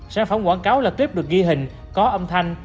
sản phẩm quảng cáo là clip được ghi hình có âm thanh